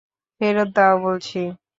ফেরত দাও বলছি!